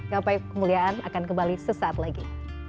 gapai kemuliaan akan kembali sesaat lagi